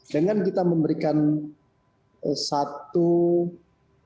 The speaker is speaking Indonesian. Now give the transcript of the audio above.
dengan kita memberikan satu bentuk lancar